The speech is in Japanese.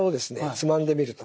つまんでみると。